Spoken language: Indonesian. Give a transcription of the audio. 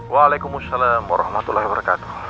waalaikumsalam warahmatullahi wabarakatuh